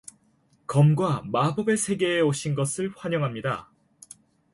검과 마법의 세계에 오신 것을 환영합니다.